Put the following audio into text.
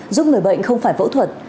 giúp người bệnh không phải phẫu thuật